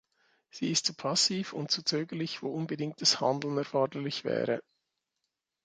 Sie ist zu passiv und zu zögerlich, wo unbedingtes Handeln erforderlich wäre.